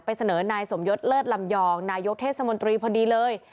เสนอนายสมยศเลิศลำยองนายกเทศมนตรีพอดีเลย